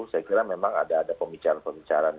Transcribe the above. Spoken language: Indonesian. saya kira memang ada pembicaraan pembicaraan